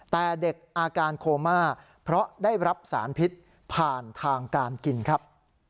แต่เด็กอาการโคม่าเพราะได้รับสารพิษผ่านทางการกินครับ